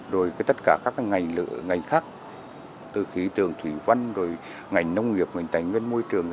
rồi tất cả các ngành khác từ khí tường thủy văn ngành nông nghiệp ngành tài nguyên môi trường